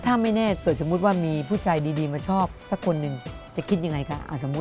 ถ้าไม่แน่เกิดสมมุติว่ามีผู้ชายดีมาชอบสักคนหนึ่งจะคิดยังไงคะ